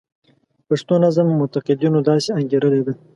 پښتو نظم منتقدینو داسې انګیرلې ده.